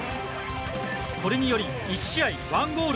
これにより１試合１ゴール